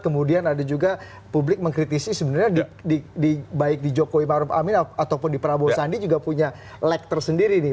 kemudian ada juga publik mengkritisi sebenarnya baik di jokowi maruf amin ataupun di prabowo sandi juga punya lag tersendiri nih